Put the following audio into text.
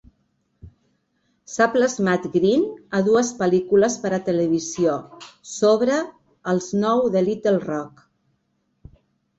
S'ha plasmat Green a dues pel·lícules per a televisió sobre "Els nou de Little Rock".